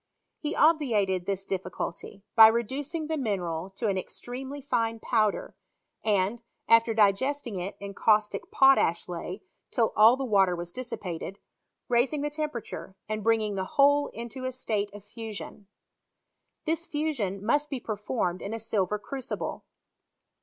He obviated this difGculty by reducing the mineral to an ex tremely fine powder, and, after digesting it in caustic potash icy till all the water was dissipated, raising the temperature, and bringing the whole into a state of fusion. This fusion must be performed in asilver crucible.